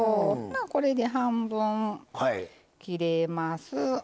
これで半分切れます。